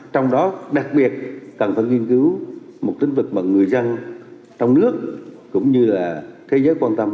trong đó đặc biệt cần phải nghiên cứu một tính vực mà người dân trong nước cũng như là thế giới quan tâm